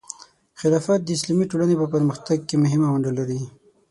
خلافت د اسلامي ټولنې په پرمختګ کې مهمه ونډه لري.